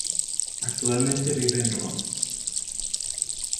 Actualmente vive en Roma.